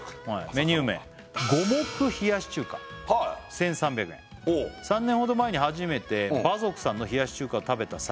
メニュー名五目冷し中華１３００円「３年ほど前に初めて馬賊さんの冷し中華を食べた際」